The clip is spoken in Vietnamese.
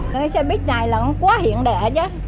cái xe buýt này là quá hiện đại chứ